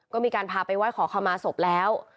ก็มีการพาไปไหว้ขอขมาศพแล้ว